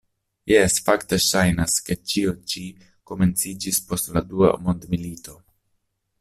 Jes, fakte ŝajnas, ke ĉio ĉi komenciĝis post la dua mondmilito.